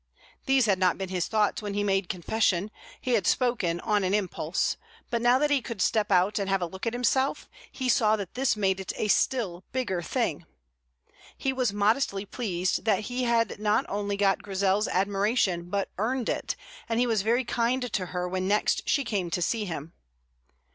These had not been his thoughts when he made confession; he had spoken on an impulse; but now that he could step out and have a look at himself, he saw that this made it a still bigger thing. He was modestly pleased that he had not only got Grizel's admiration, but earned it, and he was very kind to her when next she came to see him.